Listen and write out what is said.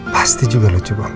pasti juga lucu banget